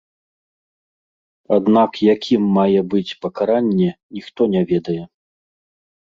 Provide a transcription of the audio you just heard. Аднак якім мае быць пакаранне, ніхто не ведае.